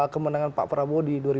kemenangan pak prabowo di